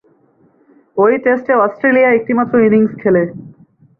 ঐ টেস্টে অস্ট্রেলিয়া একটিমাত্র ইনিংস খেলে।